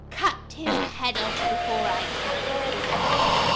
" Cut his head off before I count three."